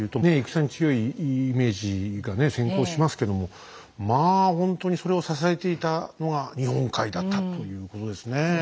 戦に強いイメージがね先行しますけどもまあほんとにそれを支えていたのが日本海だったということですね。